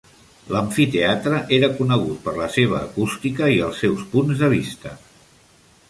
L'amfiteatre era conegut per la seva acústica i els seus punts de vista.